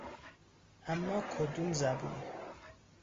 اما کدوم زبون؟